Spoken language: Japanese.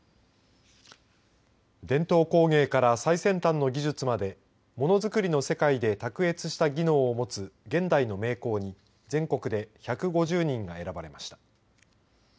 伝統工芸から最先端の技術までものづくりの世界で卓越した技能を持つ現代の名工に全国で１５０人が選ばれました。